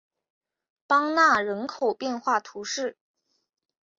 邦讷人口变化图示